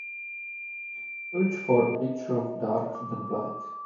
Search for a picture of Darker than black